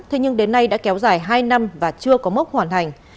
thế nhưng đến nay đã kéo dài hai năm và chưa có mốc hoàn thành